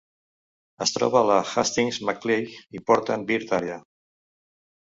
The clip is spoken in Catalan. Es troba a la Hastings-Macleay Important Bird Area.